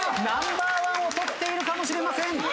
ナンバーワンを取っているかもしれません。